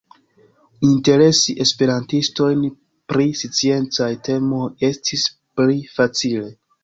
Interesi esperantistojn pri sciencaj temoj estis pli facile.